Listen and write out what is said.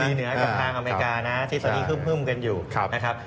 เกาหลีเหนือเกาหลีเหนือกับทางอเมริกานะที่ตอนนี้คึ่มกันอยู่นะครับ